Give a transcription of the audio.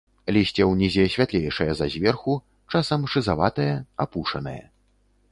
Лісце ўнізе святлейшае за зверху, часам шызаватае, апушанае.